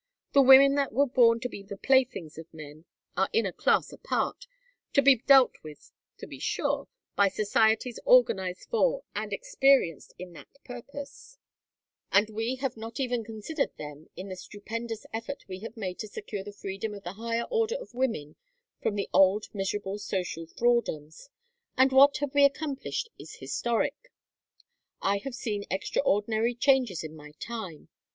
The women that were born to be the playthings of men are in a class apart to be dealt with, to be sure, by Societies organized for and experienced in that purpose; and we have not even considered them in the stupendous effort we have made to secure the freedom of the higher order of women from the old miserable social thralldoms. And what we have accomplished is historic. "I have seen extraordinary changes in my time.